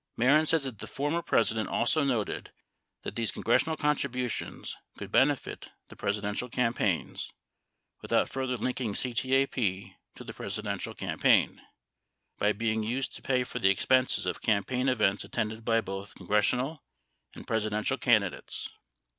Mehren says that the former President also noted that these congressional contributions could bene fit. the Presidential campaigns (without further linking CTAPE to the Presidential campaign) by being used to pay for the expenses of campaign events attended by both congressional and Presidential candidates.